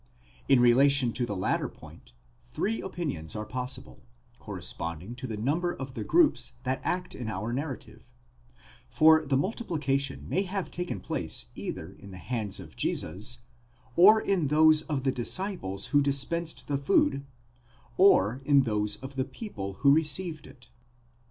In relation to the latter point, three opinions are possible, corresponding to the number of the groups that act in our narra tive ; for the multiplication may have taken place either in the hands of Jesus, or in those of the disciples who dispensed the food, or in those of the people who received it.